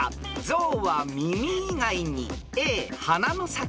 ［象は耳以外に］